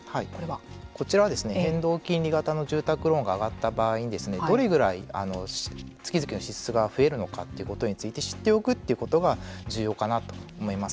こちらは変動金利型の住宅ローンが上がった場合にどれぐらい月々の支出が増えるのかということについて知っておくということが重要かなと思います。